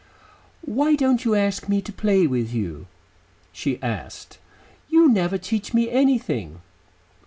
"Why don't you ask me to play with you?" she asked. "You never teach me anything."